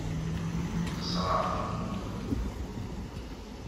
Xesreɣ.